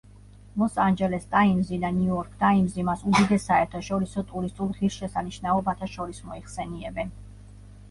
ლოს-ანჯელეს ტაიმზი და ნიუ-იორკ ტაიმზი მას უდიდეს საერთაშორისო ტურისტულ ღირსშესანიშნაობათა შორის მოიხსენიებენ.